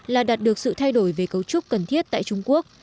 là đạt được sự thay đổi về cấu trúc cần thiết tại trung quốc